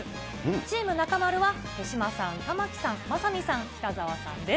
チーム中丸は、手嶋さん、玉城さん、雅美さん、北澤さんです。